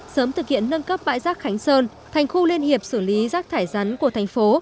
sớm thực hiện nâng cấp bãi rác khánh sơn thành khu liên hiệp xử lý rác thải rắn của thành phố